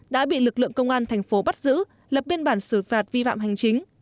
đã bị lực lượng công an thành phố bắt giữ lập biên bản xử phạt vi phạm hành chính